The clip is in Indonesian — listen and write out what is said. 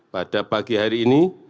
pada pagi hari ini